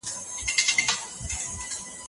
د میز پر سر اضافه شیان مه ږدئ.